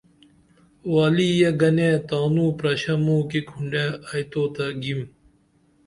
والیے گنے تانو پرشہ موکی کھنڈے ائی توتہ گیم